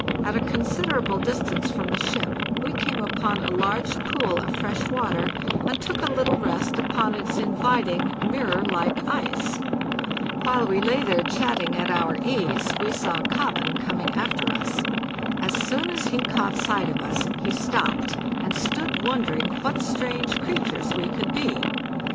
At a considerable distance from the ship we came upon a large pool of fresh water, and took a little rest upon its inviting, mirror like ice. While we lay there chatting at our ease, we saw '" Kob ben" coming after us. As soon as he caught sight of us, he stopped and stood wondering what strange creatures we could be.